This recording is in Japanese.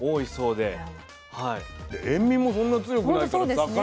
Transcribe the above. で塩味もそんな強くないから魚の味が。